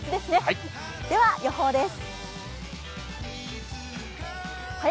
では予報です。